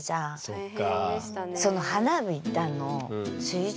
そっか。